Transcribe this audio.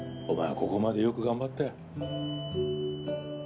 ここまでよく頑張ったよ。